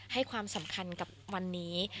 ให้ความสำคัญกับวันนี้